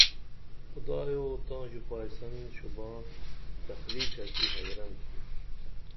خدایو تاں ژوپائسن شوباں تخلیقہ کی حیرن تُھم